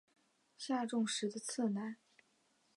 下重实的次男。